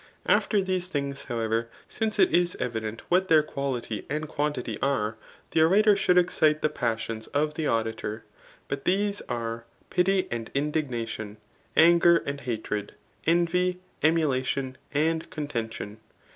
After these things, however, since it is evident what their quality and quantity are, the orator should excite the passions of the auditor : but these are, pity and indigtiation ; anger and hatred ; envy, emulation and contention.